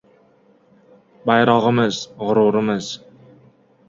Bayrog‘imiz – g‘ururimiz!